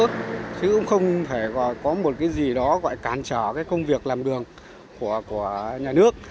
chứ cũng không thể có một cái gì đó gọi cản trở cái công việc làm đường của nhà nước